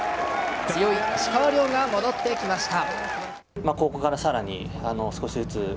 強い石川遼が戻ってきました。